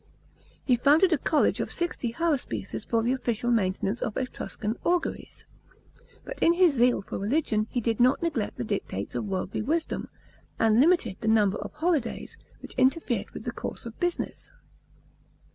He founded a college of sixty haruspices for the official main tenance of Etruscan auguries. But in his zeal for religion he did not neglect the dictates of worldly wisdom, and limited the number of holidays, which interfered with the course of business.